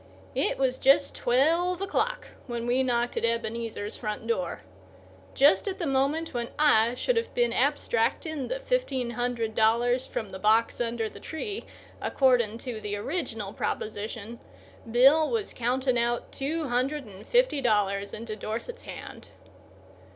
It was just twelve o'clock when we knocked at Ebenezer's front door. Just at the moment when I should have been abstracting the fifteen hundred dollars from the box under the tree, according to the original proposition, Bill was counting out two hundred and fifty dollars into Dorset's hand.